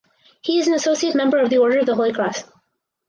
He is an associate member of the Order of the Holy Cross.